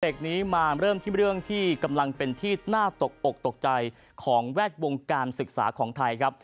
นี้มาเริ่มที่เรื่องที่กำลังเป็นที่น่าตกอกตกใจของแวดวงการศึกษาของไทยครับ